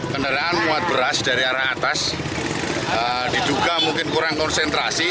kendaraan muat beras dari arah atas diduga mungkin kurang konsentrasi